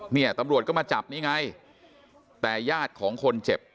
เนี่ยตำรวจก็มาจับนี่ไงแต่ญาติของคนเจ็บ